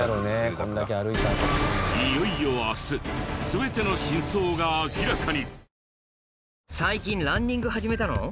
いよいよ明日全ての真相が明らかに！